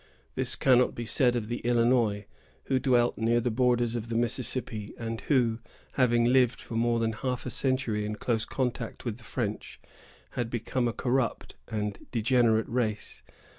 This cannot be said of the Illinois, who dwelt near the borders of the Mississippi, and who, having lived for more than half a century in close contact with the French, had become a corrupt and degenerate race.